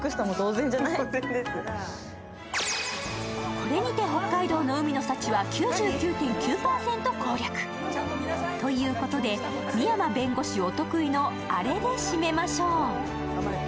これにて北海道の海の幸は９９．９％攻略。ということで、深山弁護士お得意のアレで締めましょう。